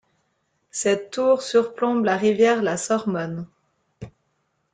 Cette tour surplombe la rivière la Sormonne.